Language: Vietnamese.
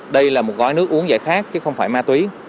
đây là một gói nước uống dạy khác chứ không phải ma túy